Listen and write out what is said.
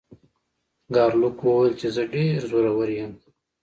ګارلوک وویل چې زه ډیر زورور یم.